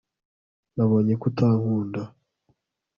nabonye ko utankunda